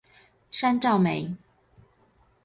山噪鹛。